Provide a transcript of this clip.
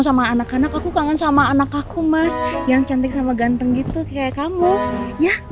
sama anak anak aku kangen sama anak aku mas yang cantik sama ganteng gitu kayak kamu ya